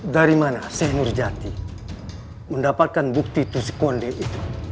dari mana senerjati mendapatkan bukti tusukonde itu